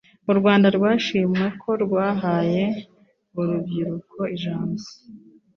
Urwanda rwashimwe ko rwahaye urubyiruko ijambo